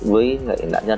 với người đạn nhân